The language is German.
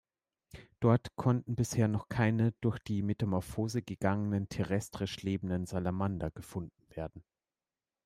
Dort konnten bisher noch keine durch die Metamorphose gegangenen terrestrisch lebenden Salamander gefunden werden.